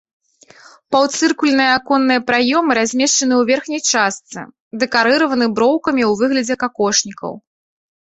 Паўцыркульныя аконныя праёмы размешчаны ў верхняй частцы, дэкарыраваны броўкамі ў выглядзе какошнікаў.